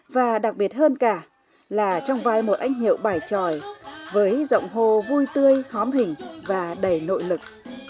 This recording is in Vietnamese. và đặc biệt hơn cả là trong vai một anh hiệu bài tròi với giọng hồ vui tươi hóm hình và đầy nội lực